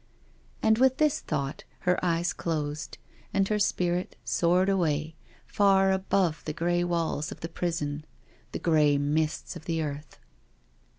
And with this thought, her eyes closed, anid her spirit soared away, far above the grey walls of the prison, the grey mists of earth.